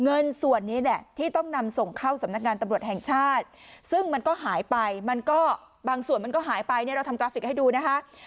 เงินส่วนนี้แหละที่ต้องนำส่งเข้าสำนักงานตำรวจแห่งชาติซึ่งมันก็หายไปมันก็บางส่วนมันก็หายไปเนี่ยเราทำกราฟิกให้ดูนะคะ